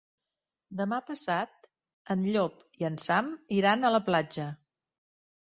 Demà passat en Llop i en Sam iran a la platja.